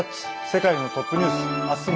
世界のトップニュース」。